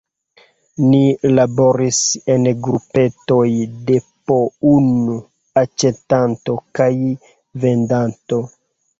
Ni laboris en grupetoj de po unu aĉetanto kaj vendanto.